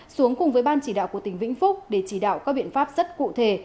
xuống cùng với ban chỉ đạo của tỉnh vĩnh phúc để chỉ đạo các biện pháp rất cụ thể